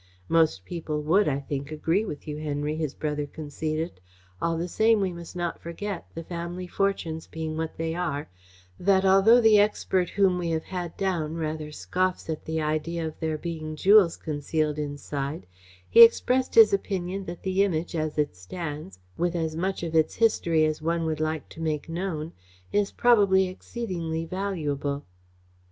"Most people would, I think, agree with you, Henry," his brother conceded. "All the same we must not forget, the family fortunes being what they are, that, although the expert whom we have had down rather scoffs at the idea of there being jewels concealed inside, he expressed his opinion that the Image as it stands, with as much of its history as one would like to make known, is probably exceedingly valuable."